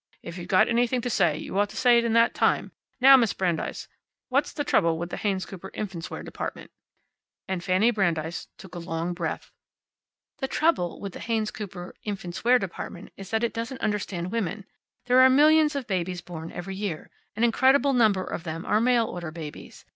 If you've got anything to say you ought to say it in that time. Now, Miss Brandeis, what's the trouble with the Haynes Cooper infants' wear department?" And Fanny Brandeis took a long breath "The trouble with the Haynes Cooper infants' wear department is that it doesn't understand women. There are millions of babies born every year. An incredible number of them are mail order babies.